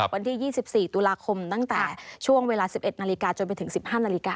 วันที่๒๔ตุลาคมตั้งแต่ช่วงเวลา๑๑นาฬิกาจนไปถึง๑๕นาฬิกา